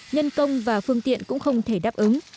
nhân công và phương tiện cũng không thể đáp ứng